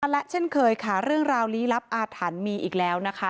และเช่นเคยค่ะเรื่องราวลี้ลับอาถรรพ์มีอีกแล้วนะคะ